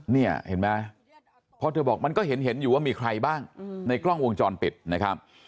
เนี่ยเห็นไหมเพราะเธอบอกมันก็เห็นอยู่ว่ามีใครบ้างในกล้องวงจรปิดนะครับ